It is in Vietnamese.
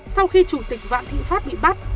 sau khi chủ tịch vạn thị pháp bị bắt